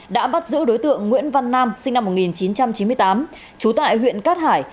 đã bắt giữ đối tượng nguyễn văn nam sinh năm một nghìn chín trăm chín mươi tám trú tại huyện cát hải